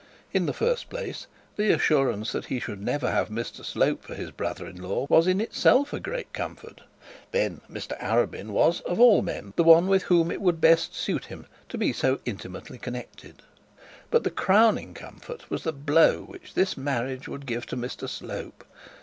In the first place, the assurance that he should never have Mr Slope for his brother in law was in itself a great comfort. Then Mr Arabin was, of all men, one with whom it would best suit him to be utterly connected. But the crowning comfort was the blow that this marriage would give to Mr Slope.